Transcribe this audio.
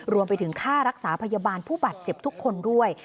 รวมไปถึงค่ารักษาพยาบาลผู้บาดเจ็บทุกคนด้วย